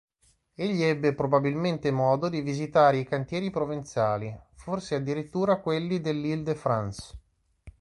Egli ebbe probabilmente modo di visitare i cantieri provenzali, forse addirittura quelli dell'Île-de-France.